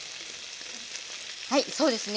はいそうですね。